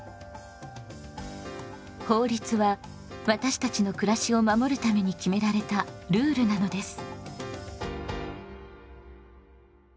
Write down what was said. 法律は私たちの暮らしを守るために決められたルールなのです。